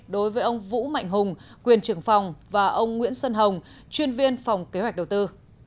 đối với ông vũ mạnh hùng quyền trưởng phòng và ông nguyễn xuân hồng chuyên viên phòng kế hoạch đầu tư